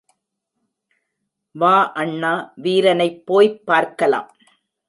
வா அண்ணா, வீரனைப் போய்ப் பார்க்கலாம்.